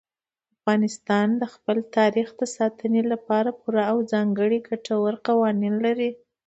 افغانستان د خپل تاریخ د ساتنې لپاره پوره او ځانګړي ګټور قوانین لري.